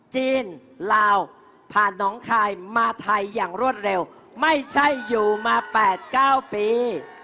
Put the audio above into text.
จีนลาวผ่านน้องคายมาไทยอย่างรวดเร็วไม่ใช่อยู่มา๘๙ปี